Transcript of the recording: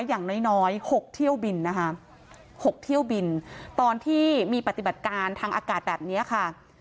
อย่างน้อยน้อย๖เที่ยวบินนะคะ๖เที่ยวบินตอนที่มีปฏิบัติการทางอากาศแบบนี้ค่ะ